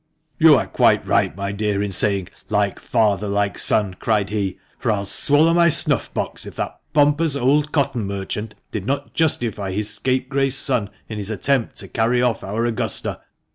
"You are quite right, my dear, in saying, 'Like father, like son,' " cried he, " for I'll swallow my snuff box if that pompous old cotton merchant did not justify his scapegrace son in his attempt to carry off our Augusta